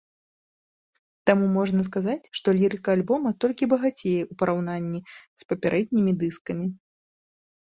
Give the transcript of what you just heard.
Таму можна сказаць, што лірыка альбома толькі багацее ў параўнанні з папярэднімі дыскамі.